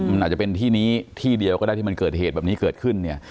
มันอาจจะเป็นที่นี้ที่เดียวก็ได้ที่มันเกิดเหตุแบบนี้เกิดขึ้นเนี่ย